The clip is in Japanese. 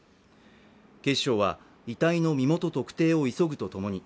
警視庁は遺体の身元特定を急ぐとともに